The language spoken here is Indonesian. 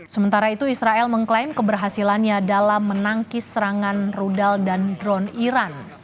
sementara itu israel mengklaim keberhasilannya dalam menangkis serangan rudal dan drone iran